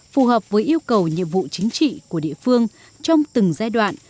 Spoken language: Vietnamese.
phù hợp với yêu cầu nhiệm vụ chính trị của địa phương trong từng giai đoạn